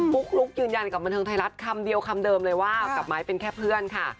ุ๊กลุ๊กยืนยันกับบันเทิงไทยรัฐคำเดียวคำเดิมเลยว่ากับไม้เป็นแค่เพื่อนค่ะ